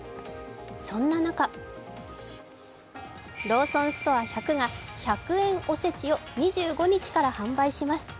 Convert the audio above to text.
そんな中ローソンストア１００が１００円おせちを２５日から販売します。